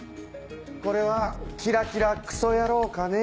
これはキラキラクソ野郎かね？